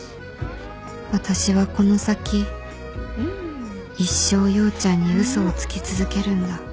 私はこの先一生陽ちゃんに嘘をつき続けるんだ